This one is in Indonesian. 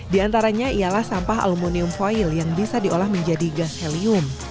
di antaranya ialah sampah aluminium foil yang bisa diolah menjadi gas helium